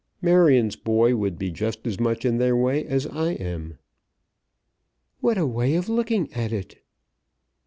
Marion's boy would be just as much in their way as I am." "What a way of looking at it."